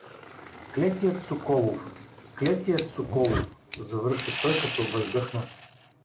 — Клетият Соколов, клетият Соколов — завърши той, като въздъхна.